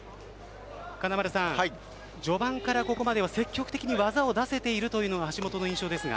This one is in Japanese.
金丸さん、序盤からここまでは積極的に技を出せているというのが橋本の印象ですが。